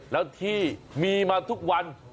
แล้วที่มีมาทุกวัน